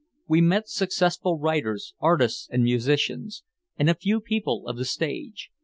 We met successful writers, artists and musicians, and a few people of the stage.